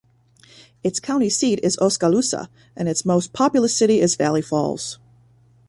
Its county seat is Oskaloosa, and its most populous city is Valley Falls.